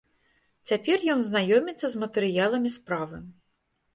Цяпер ён знаёміцца з матэрыяламі справы.